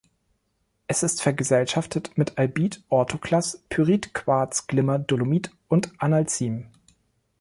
Es ist vergesellschaftet mit Albit, Orthoklas, Pyrit, Quarz, Glimmer, Dolomit und Analcim.